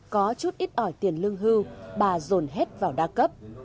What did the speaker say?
có chút ít ỏi tiền lương hưu bà dồn hết vào đa cấp